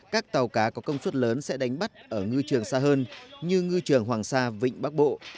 các tàu cá có công suất lớn sẽ đánh bắt ở ngư trường xa hơn như ngư trường hoàng sa vịnh bắc bộ